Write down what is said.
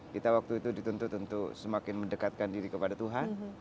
kita waktu itu dituntut untuk semakin mendekatkan diri kepada tuhan